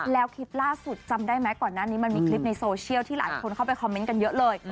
แล้วคลิปล่าสุดจำได้ไหมก่อนหน้านี้มันมีคลิปในโซเชียลที่หลายคนเข้าไปคอมเมนต์กันเยอะเลย